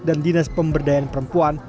dan dinas pemberdayaan perempuan